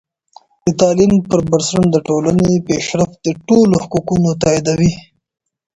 د تعلیم پر بنسټ د ټولنې پیشرفت د ټولو حقونه تاییدوي.